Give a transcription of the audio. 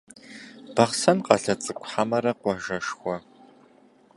Бахъсэн къалэ цӏыкӏу хьэмэрэ къуажэшхуэ?